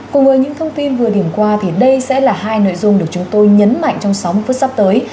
cùng với những thông tin vừa điểm qua thì đây sẽ là hai nội dung được chúng tôi nhấn mạnh trong sáu mươi phút sắp tới